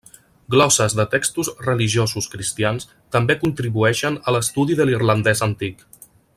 Glosses de textos religiosos cristians també contribueixen a l'estudi de l'irlandès antic.